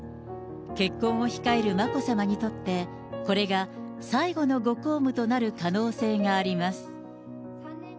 結婚を控える眞子さまにとって、これが最後のご公務となる可能性があります。